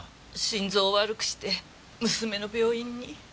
心臓を悪くして娘の病院に。